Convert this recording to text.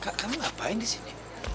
kak kamu ngapain disini